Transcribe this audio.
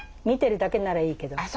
見てるだけならいいけど。